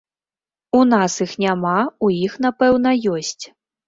У нас іх няма, у іх, напэўна, ёсць.